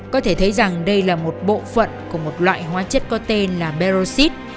có thể thấy rằng đây là một bộ phận của một loại hóa chất có tên là beroxid